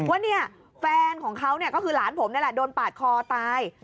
ว่าเนี่ยแฟนของเขาก็คือหลานผมนี่แหละโดนปาดคอตาย